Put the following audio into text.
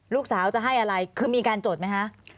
ลูกสาวจะให้อะไรคือมีการจดไหมคะ